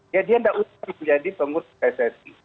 ya dia tidak usah menjadi pengurus pssi